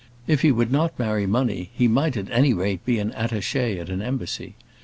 If he would not marry money, he might, at any rate, be an attaché at an embassy.